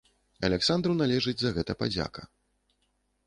Аляксандру належыць за гэта падзяка.